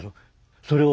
それを